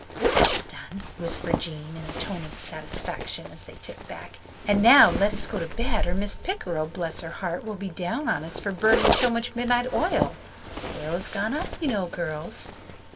"That's done," whispered Jean in a tone of satisfaction as they tiptoed back. "And now let us go to bed or Mrs. Pickrell, bless her heart, will be down on us for burning so much midnight oil. Oil has gone up, you know, girls."